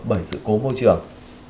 bởi sự cố môi trường